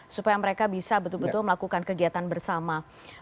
supaya mereka bisa betul betul melakukan kegiatan bersama